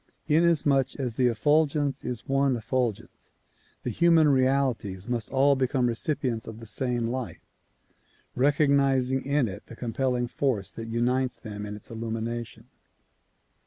In asmuch as the effulgence is one effulgence, the human realities must all become recipients of the same light, recognizing in it the com pelling force that unites them in its illumination.